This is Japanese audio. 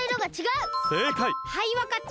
はいわかった。